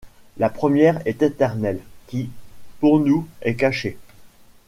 La première est éternelle qui, pour nous, est cachée.